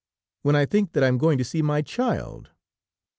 When I think that I am going to see my child!"